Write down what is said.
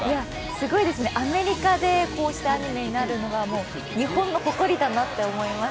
すごいですね、アメリカでこうしてアニメになるのは日本の誇りだなって思います。